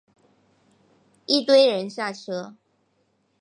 一堆人下车